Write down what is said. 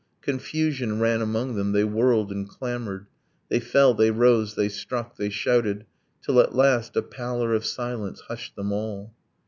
Confusion ran among them, they whirled and clamored, They fell, they rose, they struck, they shouted, Till at last a pallor of silence hushed them all.